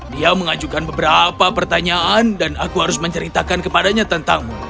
dia mengajukan beberapa pertanyaan dan aku harus menceritakan kepadanya tentangmu